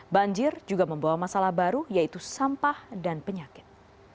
banjir juga membawa masalah baru yaitu sampah dan penyakit